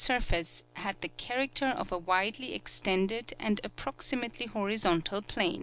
169 surface had the character of a widely extended and approximately horizontal plain.